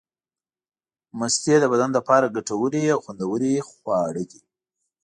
مستې د بدن لپاره ګټورې او خوندورې خواړه دي.